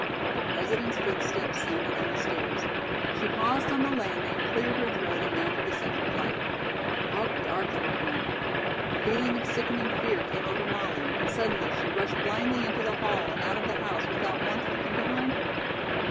The President's footsteps sounded on the stairs. She paused on the landing, cleared her throat and mounted the second flight. How dark it had grown. A feeling of sickening fear came over Molly, and suddenly she rushed blindly into the hall and out of the house without once looking behind her.